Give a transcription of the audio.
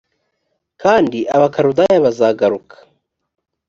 kandi abakaludaya bazagaruka